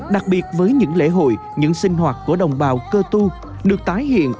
đặc biệt với những lễ hội những sinh hoạt của đồng bào cơ tu được tái hiện